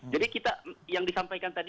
jadi kita yang disampaikan tadi